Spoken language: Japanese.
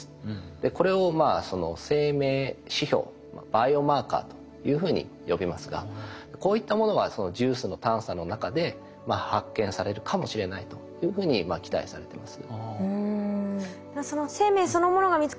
これを生命指標バイオマーカーというふうに呼びますがこういったものがそのＪＵＩＣＥの探査の中で発見されるかもしれないというふうに期待されています。